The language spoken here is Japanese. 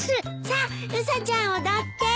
さあウサちゃん踊って。